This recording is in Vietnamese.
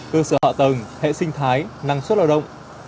cơ sở hạ tầng hệ sinh thái năng suất lao động